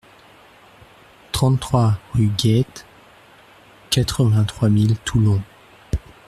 trente-trois rue Gueit, quatre-vingt-trois mille Toulon